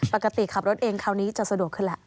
ปกติขับรถเองคราวนี้จะสะดวกขึ้นแหละ